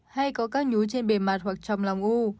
hay có các nhúi trên bề mặt hoặc trong lòng u